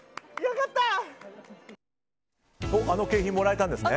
あの景品、もらえたんですね。